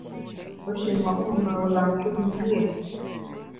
Wu pe shi ṅo’ memba, wu lam nkümengbié ?